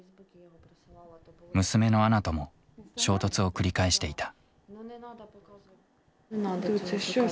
娘のアナとも衝突を繰り返していた。